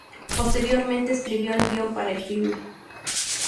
Posteriormente escribió el guion para el filme.